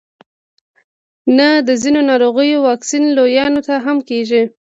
نه د ځینو ناروغیو واکسین لویانو ته هم کیږي